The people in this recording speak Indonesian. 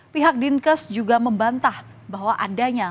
pihak dinkes juga membantah bahwa adanya